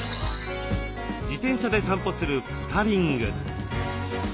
自転車で散歩するポタリング。